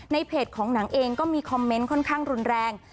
เพจของหนังเองก็มีคอมเมนต์ค่อนข้างรุนแรง